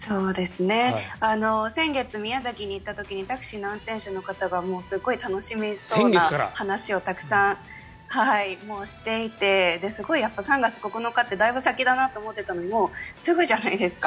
先月、宮崎に行った時にタクシーの運転手の方がもうすごい楽しみそうな話をたくさんしていてすごい３月９日ってだいぶ先だなと思ってたのがもうすぐじゃないですか。